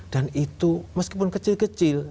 dan itu meskipun kecil kecil